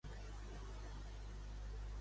A qui s'aproxima Iocal·lis?